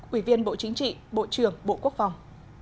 ủy viên bộ chính trị bộ trưởng bộ quốc phòng